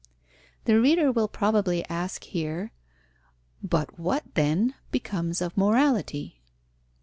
The reader will probably ask here: But what, then, becomes of morality?